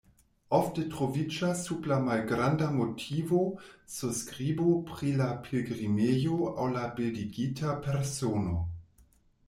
Ofte troviĝas sub la malgranda motivo surskribo pri la pilgrimejo aŭ la bildigita persono.